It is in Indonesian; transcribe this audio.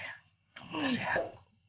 kamu udah sehat